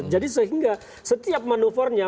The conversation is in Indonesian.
jadi sehingga setiap manuvernya